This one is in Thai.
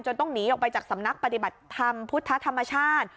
ต้องหนีออกไปจากสำนักปฏิบัติธรรมพุทธธรรมชาติ